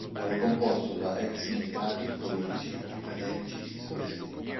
Era composto da ex-militari, politici, accademici e studenti.